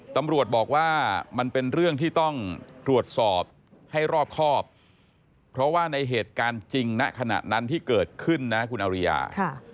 ตำรวจบอกว่ามันเป็นเรื่องที่ต้องตรวจสอบให้รอบครอบเพราะว่าในเหตุการณ์จริงณขณะนั้นที่เกิดขึ้นนะคุณอริยา